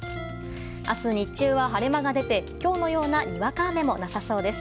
明日日中は晴れ間が出て今日のようなにわか雨もなさそうです。